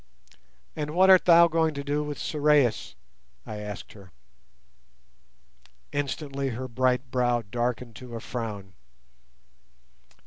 "And what art thou going to do with Sorais?" I asked her. Instantly her bright brow darkened to a frown.